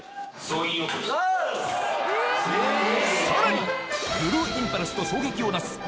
さらに！